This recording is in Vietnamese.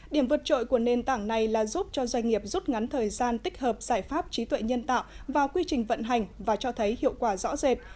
điểm vượt trội của nền tảng này là giúp cho doanh nghiệp rút ngắn thời gian tích hợp giải pháp trí tuệ nhân tạo vào quy trình vận hành và cho thấy hiệu quả rõ rệt